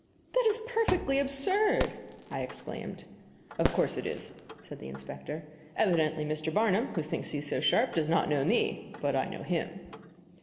"That is perfectly absurd!" I exclaimed. "Of course it is," said the inspector. "Evidently Mr. Barnum, who thinks he is so sharp, does not know me but I know him."